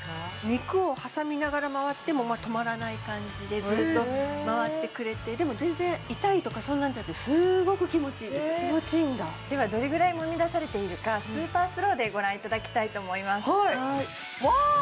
肉を挟みながら回っても止まらない感じでずっと回ってくれてでも全然気持ちいいんだどれぐらいもみ出されているかスーパースローでご覧いただきたいと思いますわあ！